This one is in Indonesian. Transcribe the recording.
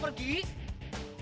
apa lagi taruh nilai cowok